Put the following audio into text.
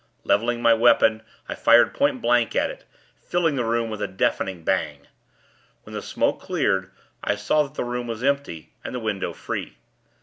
Leveling my weapon, I fired point blank at it filling the room with a deafening bang. When the smoke cleared, I saw that the room was empty, and the window free.